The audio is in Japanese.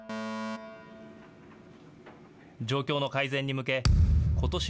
状況の改善に向けことし